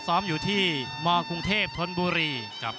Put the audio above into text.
ซ้อมอยู่ที่มกรุงเทพธนบุรี